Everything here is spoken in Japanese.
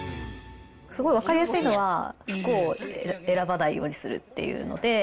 すごい分かりやすいのは、服を選ばないようにするっていうので。